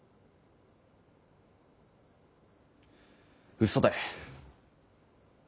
うそだ！